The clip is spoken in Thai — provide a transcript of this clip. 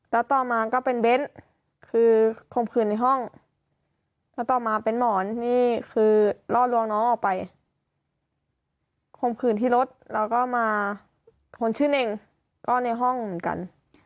แล้วต่อมาก็เป็นเบ้นคือข่มขืนในห้องแล้วต่อมาเป็นหมอนนี่คือล่อลวงน้องออกไปคมคืนที่รถแล้วก็มาคนชื่อเน่งก็ในห้องเหมือนกัน